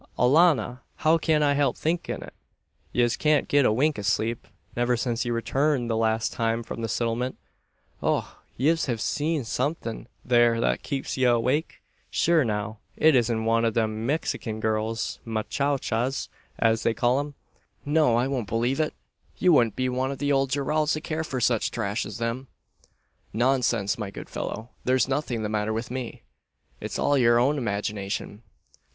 "Alannah! How kyan I help thinkin' it! Yez kyant get a wink av sleep; niver since ye returned the last time from the Sittlement. Och! yez hiv seen somethin' there that kapes ye awake? Shure now, it isn't wan av them Mixikin girls mowchachas, as they call them? No, I won't believe it. You wudn't be wan av the owld Geralds to care for such trash as them." "Nonsense, my good fellow! There's nothing the matter with me. It's all your own imagination."